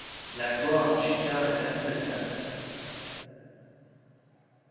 La gloire de Chicard est incontestable.